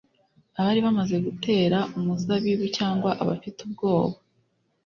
abari bamaze gutera umuzabibu cyangwa abafite ubwoba